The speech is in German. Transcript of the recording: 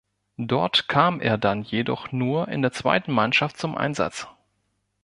Dort kam er dann jedoch nur in der zweiten Mannschaft zum Einsatz.